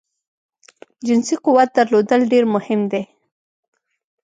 جنسی قوت درلودل ډیر مهم دی